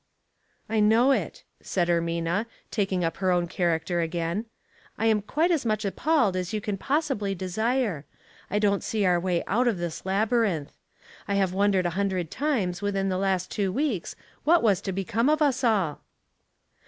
*' I know it," said Ermina, taking up her own character again. " I am quite as much appalled as you can possibly desire. I don't see our waj 104 Household Puzzles, out of this labyrinth. I have wondered a hun. dred times within the last two weeks what was to become of us all.'